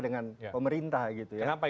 dengan pemerintah gitu ya kenapa itu